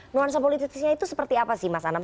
nuansa politisnya itu seperti apa sih mas anam